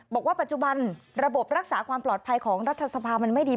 บอกว่าปัจจุบันระบบรักษาความปลอดภัยของรัฐสภามันไม่ดี